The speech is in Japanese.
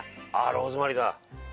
ローズマリー。